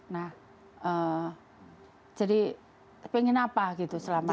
nah jadi pengen apa gitu selama ini